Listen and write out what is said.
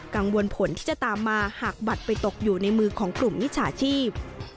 ผลที่จะตามมาหากบัตรไปตกอยู่ในมือของกลุ่มมิจฉาชีพ